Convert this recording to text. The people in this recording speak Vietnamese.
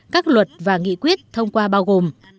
các luật và nghị quyết thông qua bao gồm